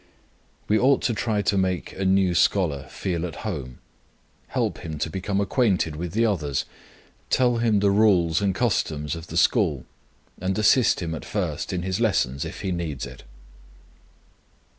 We ought to try to make a new scholar feel at home, help him to become acquainted with the others, tell him the rules and customs of the school, and assist him at first in his lessons if he needs it.